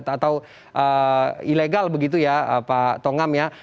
atau ilegal begitu ya pak tongam ya